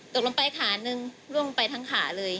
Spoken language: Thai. ตกลงไปขาหนึ่งลงไปทางขาเลย